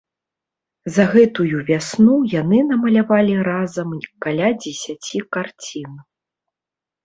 За гэтую вясну яны намалявалі разам каля дзесяці карцін.